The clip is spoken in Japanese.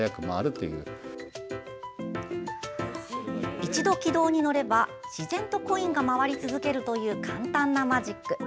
一度、軌道に乗れば自然とコインが回り続けるという簡単なマジック。